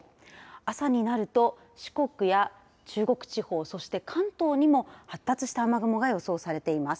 朝になると四国や中国地方そして関東にも発達した雨雲が予想されています。